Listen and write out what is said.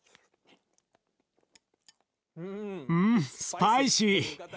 うんスパイシー！